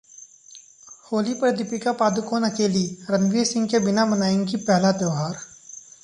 होली पर दीपिका पादुकोण 'अकेली', रणवीर सिंह के बिना मनाएंगी पहला त्योहार